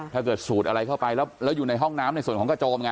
สูดอะไรเข้าไปแล้วอยู่ในห้องน้ำในส่วนของกระโจมไง